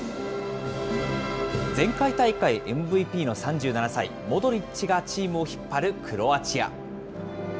前回大会ＭＶＰの３７歳、モドリッチがチームを引っ張るクロアチア。